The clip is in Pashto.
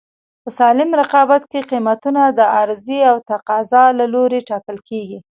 په سالم رقابت کې قیمتونه د عرضې او تقاضا له لورې ټاکل کېږي.